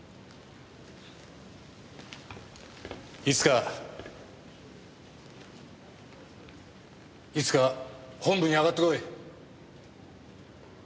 いつかいつか本部に上がってこい。